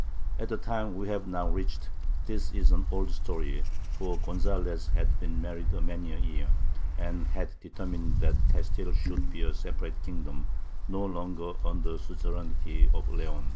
At the time we have now reached, this is an old story, for Gonzalez had been married many a year, and had determined that Castile should be a separate kingdom, no longer under the suzerainty of Leon.